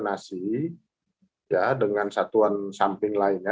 kita akan berkorupsi dengan satuan samping lainnya